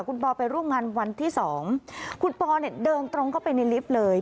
คุณปอไปร่วมงานวันที่สองคุณปอเนี่ยเดินตรงเข้าไปในลิฟต์เลย